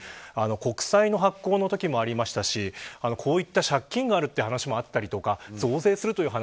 国債発行のときもありましたしこういった借金があるという話もあったり、増税するという話。